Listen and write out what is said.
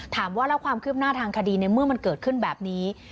ถามว่าแล้วความคืบหน้าทางคดีในเมื่อมันเกิดขึ้นแบบนี้